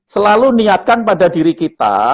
selalu niatkan pada diri kita